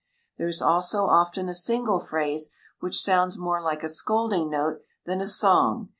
There is also often a single phrase which sounds more like a scolding note than a song.